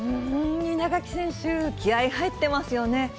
稲垣選手、気合い入ってますよね。